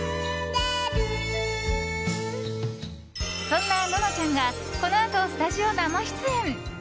そんなののちゃんがこのあとスタジオ生出演。